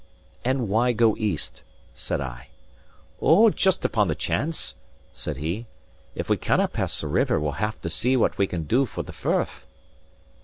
"And why go east?" said I. "Ou, just upon the chance!" said he. "If we cannae pass the river, we'll have to see what we can do for the firth."